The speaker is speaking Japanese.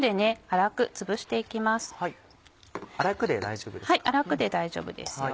粗くで大丈夫ですか？